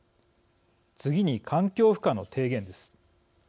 次に環境負荷の低減です。